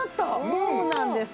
そうなんです。